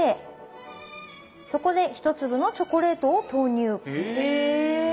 そこで１粒のチョコレートを投入へぇ。